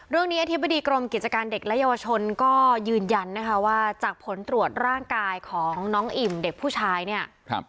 อธิบดีกรมกิจการเด็กและเยาวชนก็ยืนยันนะคะว่าจากผลตรวจร่างกายของน้องอิ่มเด็กผู้ชายเนี่ย